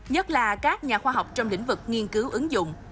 nhất là các nhà khoa học trong lĩnh vực nghiên cứu ứng dụng